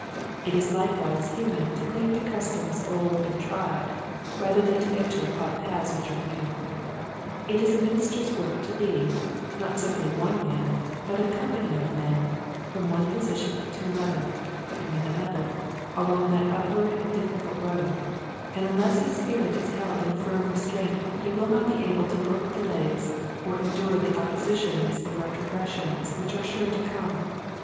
It is likewise human to cling to customs old and tried, rather than to enter upon paths which are new. It is a minis ter's work to lead, not simply one man, but a company of men from one position to another, and then another, along that up ward and difficult road, and unless his spirit is held in firm restraint he will not be able to brook delays or endure the oppositions and retrogressions which are sure to come.